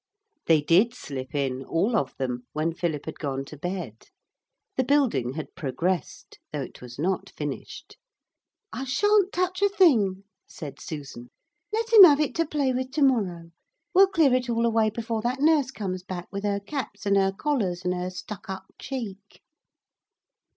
They did slip in, all of them, when Philip had gone to bed. The building had progressed, though it was not finished. 'I shan't touch a thing,' said Susan. 'Let him have it to play with to morrow. We'll clear it all away before that nurse comes back with her caps and her collars and her stuck up cheek.'